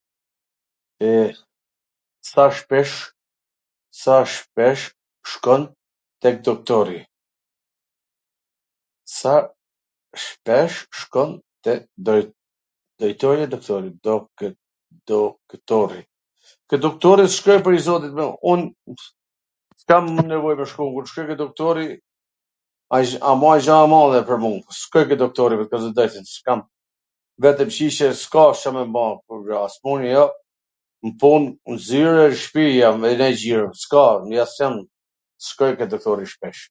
E, sa shpesh, sa shpesh shkon tek doktori? Ke doktori s shkoj pwr zotin... un s kam nevoj pwr t shku, kur t shkoj te doktori, a bo njw gja e madhe pwr mu, s shkoj te doktori me thwn tw drejtwn, s kam, vetwm shishe s ka Ca me ba pwr ... n pun jo, n pun zyr e shpi jam vetwm e xhiro, s ka, mjafton, s shkoj te doktori shpesh.